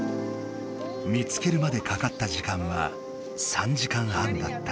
見つけるまでかかった時間は３時間半だった。